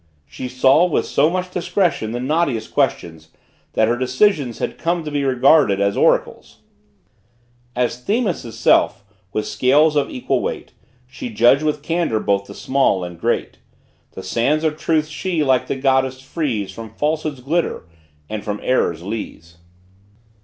She solved with so much discretion the knottiest questions, that her decisions had come to be regarded as oracles. As Themis' self, with scales of equal weight, She judged with candor both the small and great: The sands of truth she, like the goddess, frees From falsehood's glitter and from error's lees.